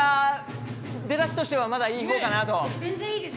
出だしとしてはまだいい方かなと思うので。